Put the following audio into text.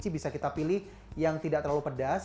bisa kita pilih yang tidak terlalu pedas